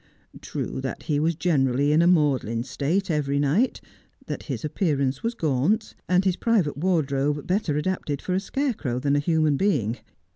True that he was generally in a maudlin state every night, that his appearance was gaunt, and his private wardrobe better adapted for a scarecrow than for a human being.